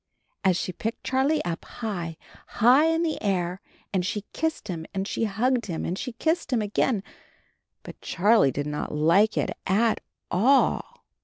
And she picked Charlie up high, high in the air, and she kissed him and she hugged him and she kissed him again — but Charlie did not like it at all.